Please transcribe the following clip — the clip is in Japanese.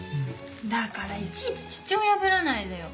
だからいちいち父親ぶらないでよ。